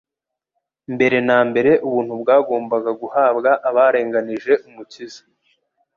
Mbere na mbere, ubuntu bwagombaga guhabwa abarenganije Umukiza.